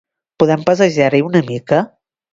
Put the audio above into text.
Podem passejar-hi una mica?